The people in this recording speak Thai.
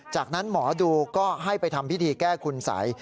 จากนั้นหมอดูก็ให้ไปทำพิธีแก้คุณสัย